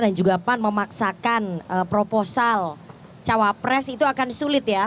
dan juga pan memaksakan proposal cawapres itu akan sulit ya